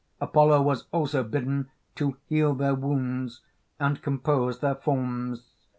Apollo was also bidden to heal their wounds and compose their forms.